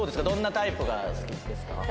どんなタイプが好きですか？